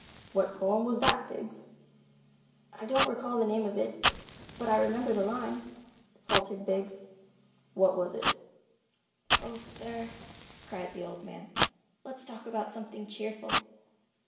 "What poem was that, Biggs?" "I don't recall the name of it, but I remember the line," faltered Biggs. "What was it?" "Oh, sir," cried the old man, "let's talk about something cheerful."